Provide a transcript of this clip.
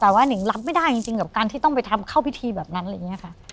แต่ว่านิ่งรับไม่ได้จริงกับการที่ต้องไปทำเข้าพิธีแบบนั้นอะไรอย่างนี้ค่ะ